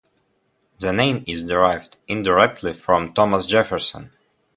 The name is derived indirectly from Thomas Jefferson.